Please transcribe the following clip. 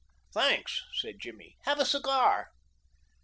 "Thanks," said Jimmy. "Have a cigar."